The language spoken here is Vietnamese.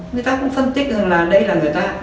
người ta cũng phân tích rằng là đây là người ta